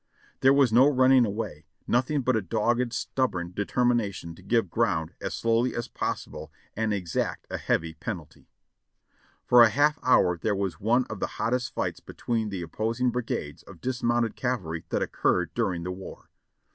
There was no running away ; nothing but a dogged, stubborn determination to give ground as slowh^ as possible and exact a heavy penalty. For a half hour there was one of the hottest fights between the oppos ing brigades of dismounted cavalry that occurred during the war.